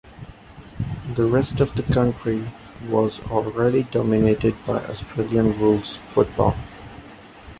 The rest of the country was already dominated by Australian rules football.